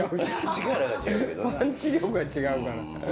パンチ力が違うから。